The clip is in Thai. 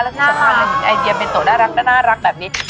แล้วก็จะมีไอเดียเป็นตัวน่ารักแบบนี้